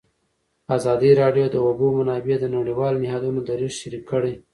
ازادي راډیو د د اوبو منابع د نړیوالو نهادونو دریځ شریک کړی.